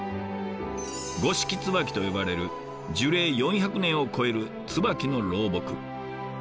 「五色椿」と呼ばれる樹齢４００年を超える椿の老木。